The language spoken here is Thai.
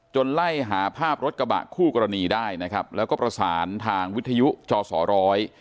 ไล่หาภาพรถกระบะคู่กรณีได้นะครับแล้วก็ประสานทางวิทยุจอสอร้อย